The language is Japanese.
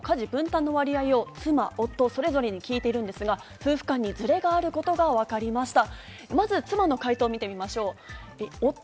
夫婦の家事分担の割合を妻・夫、それぞれに聞いていますが、夫婦間にズレがあることがわかりました。